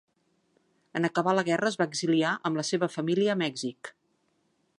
En acabar la guerra es va exiliar amb la seva família a Mèxic.